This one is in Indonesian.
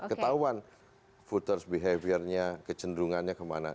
untuk pengetahuan voters behaviornya kecenderungannya kemana